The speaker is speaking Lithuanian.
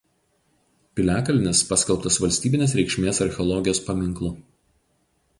Piliakalnis paskelbtas valstybinės reikšmės archeologijos paminklu.